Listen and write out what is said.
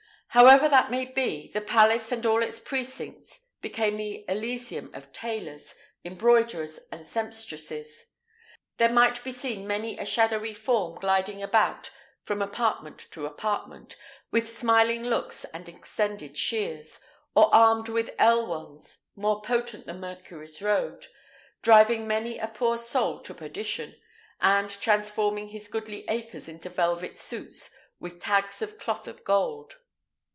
However that may be, the palace and all its precincts became the elysium of tailors, embroiderers, and sempstresses. There might be seen many a shadowy form gliding about from apartment to apartment, with smiling looks and extended shears, or armed with ell wands more potent than Mercury's road, driving many a poor soul to perdition, and transforming his goodly acres into velvet suits with tags of cloth of gold.